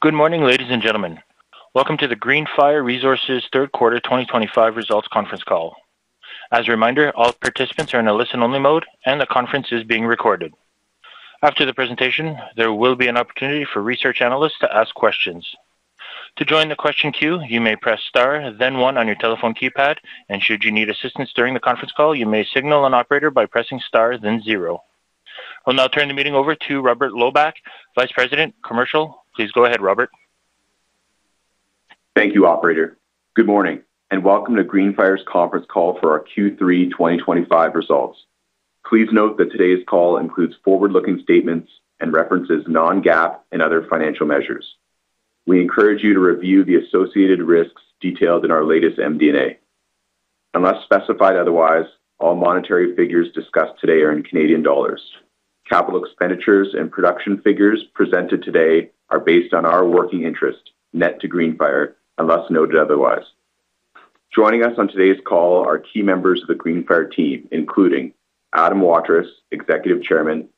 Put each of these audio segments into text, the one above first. Good morning, ladies and gentlemen. Welcome to the Greenfire Resources Third Quarter 2025 Results Conference call. As a reminder, all participants are in a listen-only mode, and the conference is being recorded. After the presentation, there will be an opportunity for research analysts to ask questions. To join the question queue, you may press star, then one on your telephone keypad, and should you need assistance during the conference call, you may signal an operator by pressing star, then zero. I'll now turn the meeting over to Robert Loebach, Vice President, Commercial. Please go ahead, Robert. Thank you, Operator. Good morning, and welcome to Greenfire's conference call for our Q3 2025 results. Please note that today's call includes forward-looking statements and references non-GAAP and other financial measures. We encourage you to review the associated risks detailed in our latest MD&A. Unless specified otherwise, all monetary figures discussed today are in Canadian dollars. Capital expenditures and production figures presented today are based on our working interest, net to Greenfire, unless noted otherwise. Joining us on today's call are key members of the Greenfire team, including Adam Waterous, Executive Chairman;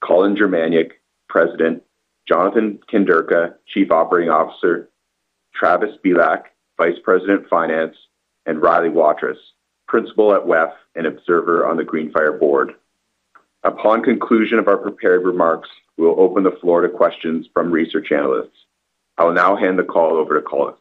Colin Germaniuk, President; Jonathan Kanderka, Chief Operating Officer; Travis Belach, Vice President, Finance; and Riley Waterous, Principal at WEF and Observer on the Greenfire Board. Upon conclusion of our prepared remarks, we'll open the floor to questions from research analysts. I'll now hand the call over to Colin.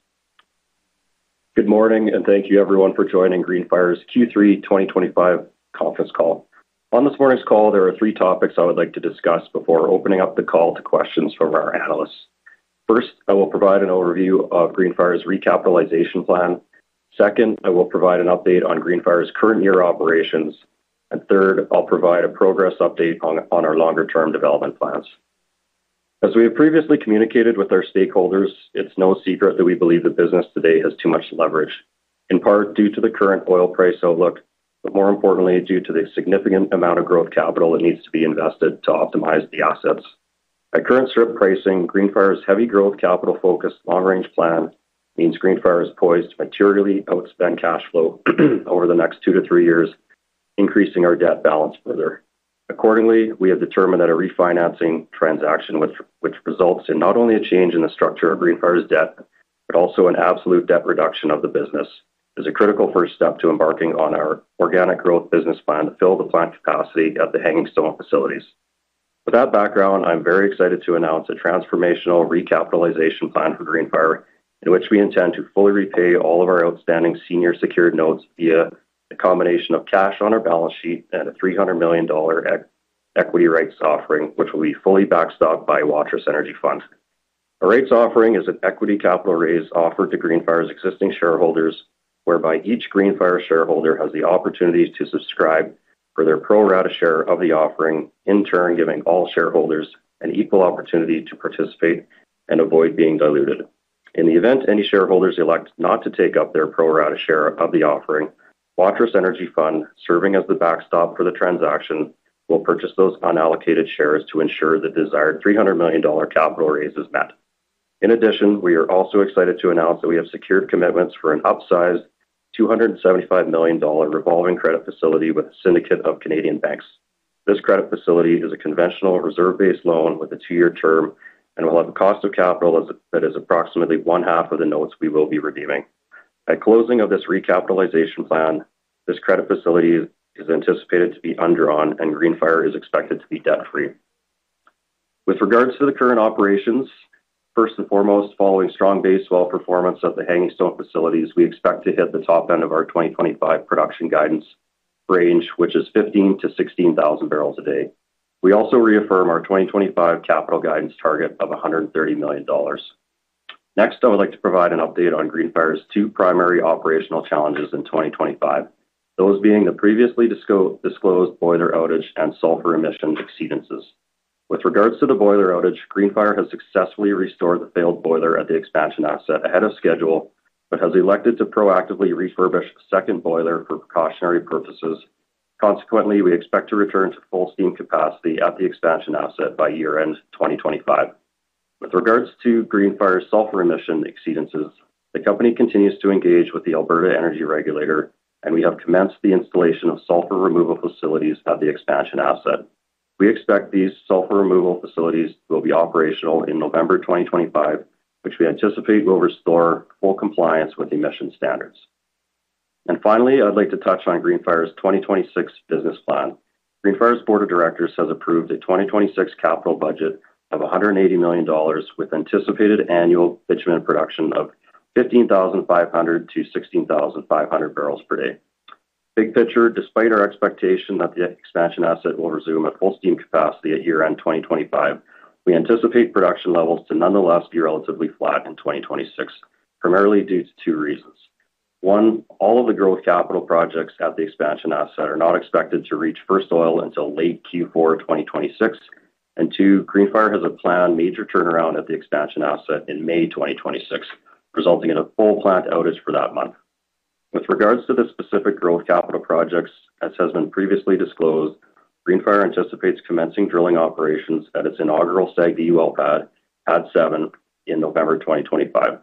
Good morning, and thank you, everyone, for joining Greenfire's Q3 2025 conference call. On this morning's call, there are three topics I would like to discuss before opening up the call to questions from our analysts. First, I will provide an overview of Greenfire's recapitalization plan. Second, I will provide an update on Greenfire's current year operations. Third, I'll provide a progress update on our longer-term development plans. As we have previously communicated with our stakeholders, it's no secret that we believe the business today has too much leverage, in part due to the current oil price outlook, but more importantly, due to the significant amount of growth capital that needs to be invested to optimize the assets. At current strip pricing, Greenfire's heavy growth capital-focused long-range plan means Greenfire is poised to materially outspend cash flow over the next two to three years, increasing our debt balance further. Accordingly, we have determined that a refinancing transaction which results in not only a change in the structure of Greenfire's debt, but also an absolute debt reduction of the business, is a critical first step to embarking on our organic growth business plan to fill the plant capacity at the Hangingstone Facilities. With that background, I'm very excited to announce a transformational recapitalization plan for Greenfire, in which we intend to fully repay all of our outstanding senior secured notes via a combination of cash on our balance sheet and a 300 million dollar equity rights offering, which will be fully backstopped by Waterous Energy Fund. A rights offering is an equity capital raise offered to Greenfire's existing shareholders, whereby each Greenfire shareholder has the opportunity to subscribe for their pro rata share of the offering, in turn giving all shareholders an equal opportunity to participate and avoid being diluted. In the event any shareholders elect not to take up their pro rata share of the offering, Waterous Energy Fund, serving as the backstop for the transaction, will purchase those unallocated shares to ensure the desired 300 million dollar capital raise is met. In addition, we are also excited to announce that we have secured commitments for an upsized 275 million dollar revolving credit facility with the syndicate of Canadian banks. This credit facility is a conventional reserve-based loan with a two-year term and will have a cost of capital that is approximately one-half of the notes we will be redeeming. At closing of this recapitalization plan, this credit facility is anticipated to be undrawn, and Greenfire is expected to be debt-free. With regards to the current operations, first and foremost, following strong base well performance at the Hangingstone Facilities, we expect to hit the top end of our 2025 production guidance range, which is 15,000-16,000 barrels a day. We also reaffirm our 2025 capital guidance target of 130 million dollars. Next, I would like to provide an update on Greenfire's two primary operational challenges in 2025, those being the previously disclosed boiler outage and sulfur emission exceedances. With regards to the boiler outage, Greenfire has successfully restored the failed boiler at the expansion asset ahead of schedule, but has elected to proactively refurbish a second boiler for precautionary purposes. Consequently, we expect to return to full steam capacity at the expansion asset by year-end 2025. With regards to Greenfire's sulfur emission exceedances, the company continues to engage with the Alberta Energy Regulator, and we have commenced the installation of sulfur removal facilities at the expansion asset. We expect these sulfur removal facilities will be operational in November 2025, which we anticipate will restore full compliance with emission standards. Finally, I'd like to touch on Greenfire's 2026 business plan. Greenfire's Board of Directors has approved a 2026 capital budget of 180 million dollars, with anticipated annual bitumen production of 15,500-16,500 barrels per day. Big picture, despite our expectation that the expansion asset will resume at full steam capacity at year-end 2025, we anticipate production levels to nonetheless be relatively flat in 2026, primarily due to two reasons. One, all of the growth capital projects at the expansion asset are not expected to reach first oil until late Q4 2026. Two, Greenfire has a planned major turnaround at the expansion asset in May 2026, resulting in a full plant outage for that month. With regards to the specific growth capital projects, as has been previously disclosed, Greenfire anticipates commencing drilling operations at its inaugural SAGD well pad, Pad 7, in November 2025.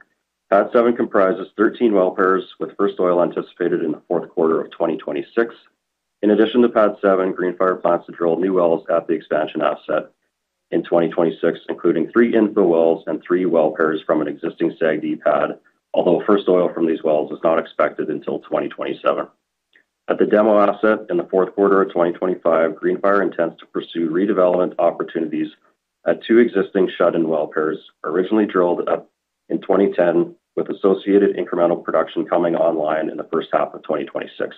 Pad 7 comprises 13 well pairs, with first oil anticipated in the fourth quarter of 2026. In addition to Pad 7, Greenfire plans to drill new wells at the expansion asset in 2026, including three infill wells and three well pairs from an existing SAGD pad, although first oil from these wells is not expected until 2027. At the demo asset in the fourth quarter of 2025, Greenfire intends to pursue redevelopment opportunities at two existing shut-in well pairs originally drilled in 2010, with associated incremental production coming online in the first half of 2026.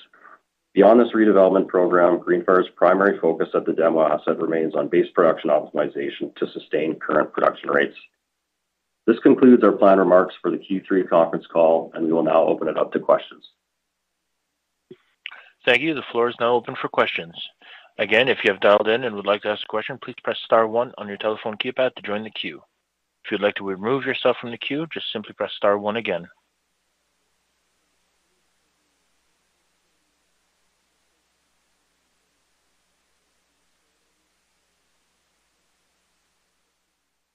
Beyond this redevelopment program, Greenfire's primary focus at the demo asset remains on base production optimization to sustain current production rates. This concludes our plan remarks for the Q3 conference call, and we will now open it up to questions. Thank you. The floor is now open for questions. Again, if you have dialed in and would like to ask a question, please press star one on your telephone keypad to join the queue. If you'd like to remove yourself from the queue, just simply press star one again.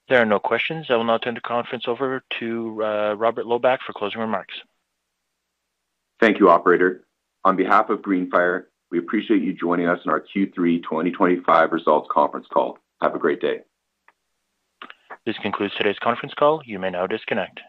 There are no questions. I will now turn the conference over to Robert Loebach for closing remarks. Thank you, Operator. On behalf of Greenfire, we appreciate you joining us in our Q3 2025 results conference call. Have a great day. This concludes today's conference call. You may now disconnect.